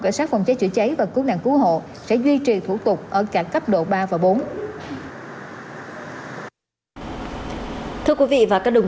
cháy chữa cháy và cứu nạn cứu hộ sẽ duy trì thủ tục ở cả cấp độ ba và bốn thưa quý vị và các đồng